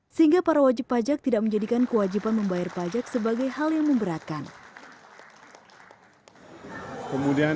sehingga para wajib pajak tidak menjadikan kewajiban membayar pajak sebagai hal yang memberatkan